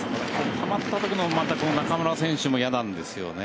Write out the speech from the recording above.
たまったときの中村選手も嫌なんですよね。